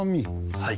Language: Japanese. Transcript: はい。